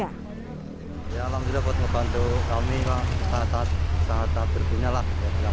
alhamdulillah buat membantu kami sangat sangat berpindah